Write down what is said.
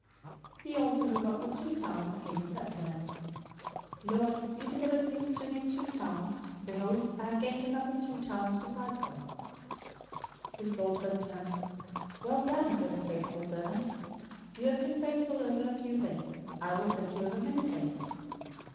025:022 "He also who got the two talents came and said, 'Lord, you delivered to me two talents. Behold, I have gained another two talents besides them.' 025:023 "His lord said to him, 'Well done, good and faithful servant. You have been faithful over a few things, I will set you over many things.